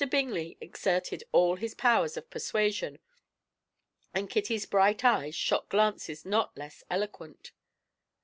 Bingley exerted all his powers of persuasion, and Kitty's bright eyes shot glances not less eloquent.